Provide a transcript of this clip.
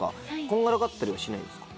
こんがらがったりはしないんですか？